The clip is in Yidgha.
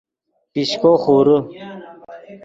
پیشکو خورے